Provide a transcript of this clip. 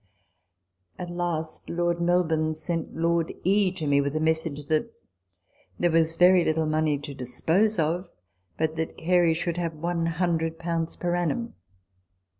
At last Lord Melbourne sent Lord E. to me with a message that " there was very little money to dispose of, but that Gary should have 100 per annum."